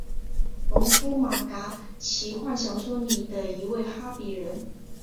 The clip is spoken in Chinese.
农夫马嘎奇幻小说里的一位哈比人。